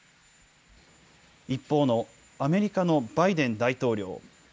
一方のアメリカのバイデン大統領。